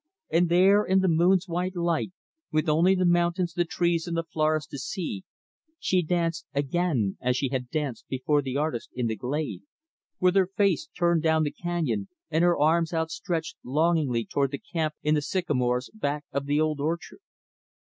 And there, in the moon's white light, with only the mountains, the trees, and the flowers to see, she danced, again, as she had danced before the artist in the glade with her face turned down the canyon, and her arms outstretched, longingly, toward the camp in the sycamores back of the old orchard.